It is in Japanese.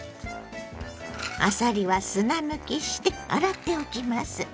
あさりは砂抜きして洗っておきます。